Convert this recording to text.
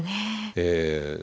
ええ。